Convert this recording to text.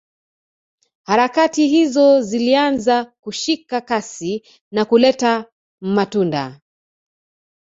Harakati hizo zilianza kushika kasi na kuleta matunda